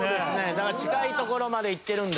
だから近いところまで行ってるんだ。